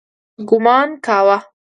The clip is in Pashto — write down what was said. ګومان کاوه.